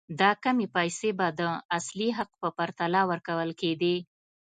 دا کمې پیسې به د اصلي حق په پرتله ورکول کېدې.